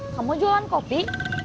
kamu jualan kopi